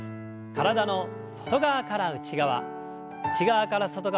体の外側から内側内側から外側。